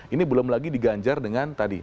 ini belum lagi diganjar dengan tadi